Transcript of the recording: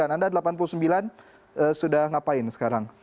anda seribu sembilan ratus delapan puluh sembilan sudah ngapain sekarang